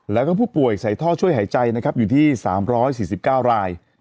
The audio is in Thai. แล้วก็ผู้ป่วยใส่ท่อช่วยหายใจนะครับอยู่ที่๓๔๙ราย